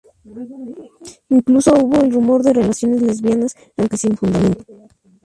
Incluso hubo el rumor de relaciones lesbianas aunque sin fundamento.